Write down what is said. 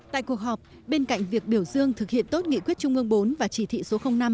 tại cuộc họp bên cạnh việc biểu dương thực hiện tốt nghị quyết trung ương bốn và chỉ thị số năm